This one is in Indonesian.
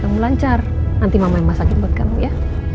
kamu lancar nanti mama yang masakin buat kamu ya